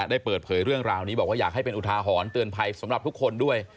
ได้เปิดเผยเรื่องราวนี้บอกว่าอยากให้เป็นอุทาหรณ์เตือนภัยสำหรับทุกคนด้วย